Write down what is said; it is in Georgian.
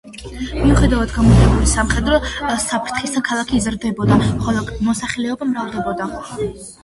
მიუხედავად გამუდმებული სამხედრო საფრთხისა, ქალაქი იზრდებოდა, ხოლო მოსახლეობა მრავლდებოდა.